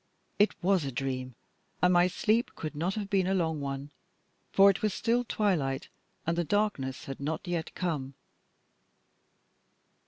It was a dream, and my sleep could not have been a long one, for it was still twilight and the darkness had not yet come.